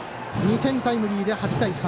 ２点タイムリーで８対３。